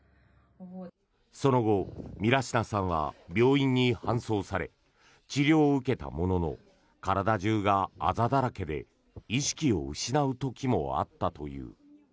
その後、ミラシナさんは病院に搬送され治療を受けたものの体中があざだらけで意識を失う時もあったという。